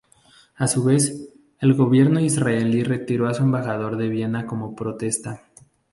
A su vez, el gobierno israelí retiró a su embajador en Viena como protesta.